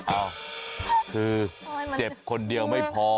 อ้าวคือเจ็บคนเดียวไม่พอ